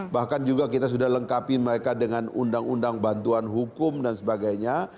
bahkan juga kita sudah lengkapi mereka dengan undang undang bantuan hukum dan sebagainya